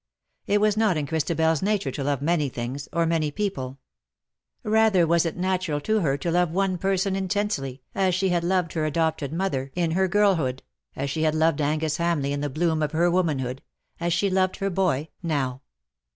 It was not in Christabel's nature to love many things, or many people : rather was it natural to her to love one per son intensely, as she had loved her adopted mother 286 '"AND TIME IS SETTING Wl' ME, O.' in her girlhood, as she had loved Angus Hamleigh in the bloom of her womanhood, as she loved her boy now.